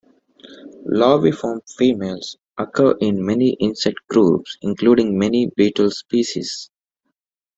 Larviform females occur in many insect groups, including many beetle species.